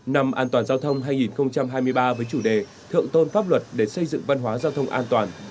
năm an toàn giao thông hai nghìn hai mươi ba với chủ đề thượng tôn pháp luật để xây dựng văn hóa giao thông an toàn